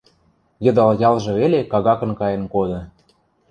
Йыдал ялжы веле кагакын кайын коды.